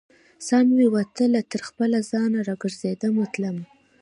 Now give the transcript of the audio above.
سا مې وتله تر خپل ځان، را ګرزیدمه تلمه